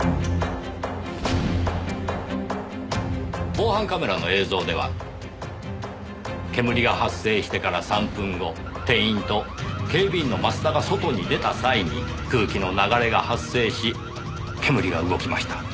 防犯カメラの映像では煙が発生してから３分後店員と警備員の増田が外に出た際に空気の流れが発生し煙が動きました。